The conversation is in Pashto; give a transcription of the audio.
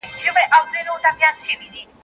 نه مي یاران، نه یارانه سته زه به چیري ځمه